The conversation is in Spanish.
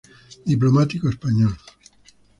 Diplomático español.